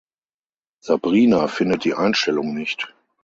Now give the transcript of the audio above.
Sabrina findet die Einstellung nicht.